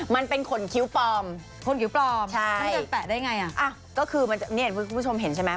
มันเป็นขนคิวปลอมขนคิวปลอมใช่มันจะแปะได้ยังไงอ่ะก็คือมันจะนี่เห็นคุณผู้ชมเห็นใช่ไหม